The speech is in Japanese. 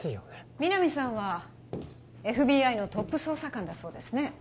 皆実さんはＦＢＩのトップ捜査官だそうですね